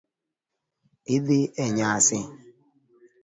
Idhi e nyasi?